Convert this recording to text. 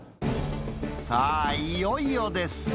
さあ、いよいよです。